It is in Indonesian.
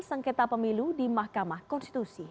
sengketa pemilu di mahkamah konstitusi